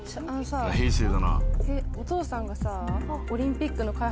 お父さんがさ。